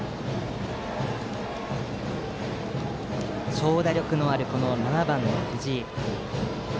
長打力のある７番の藤井。